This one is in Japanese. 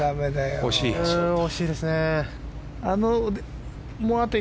惜しいですね。